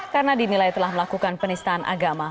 karena dinilai telah melakukan penistaan agama